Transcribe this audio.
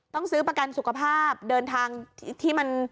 ซื้อประกันสุขภาพเดินทางที่มัน